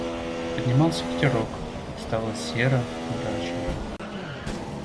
Поднимался ветерок, и стало серо, мрачно.